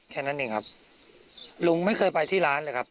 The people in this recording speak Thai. แค่นั้นเองครับลุงไม่เคยไปที่ร้านเลยครับ